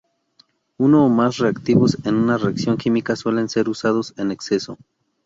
Uno o más reactivos en una reacción química suelen ser usados en exceso.